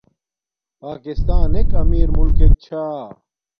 پاکستان ایک امیر مولکک چھا